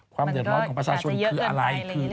ความเดือดร้อนของประชาชนคืออะไร